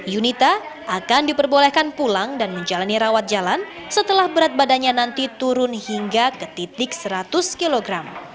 yunita akan diperbolehkan pulang dan menjalani rawat jalan setelah berat badannya nanti turun hingga ke titik seratus kg